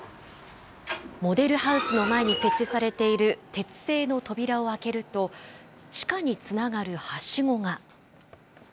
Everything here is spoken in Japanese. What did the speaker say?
モデルハウスの前に設置されている鉄製の扉を開けると、地下につながるはしごが。